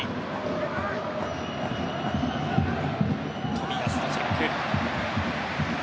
冨安のチェック。